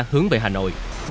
hướng về hà nội